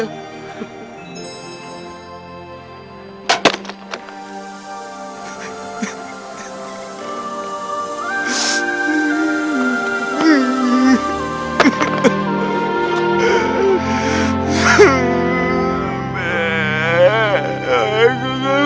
cuma pakai beci doang kan